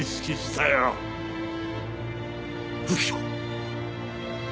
右京！